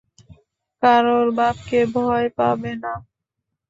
কারোর বাপকে ভয় পাবে না।